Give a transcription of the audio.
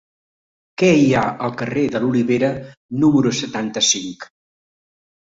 Què hi ha al carrer de l'Olivera número setanta-cinc?